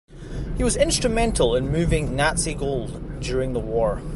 He was instrumental in moving Nazi gold during the war.